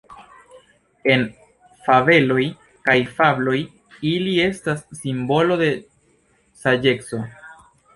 En fabeloj kaj fabloj ili estas simbolo de saĝeco.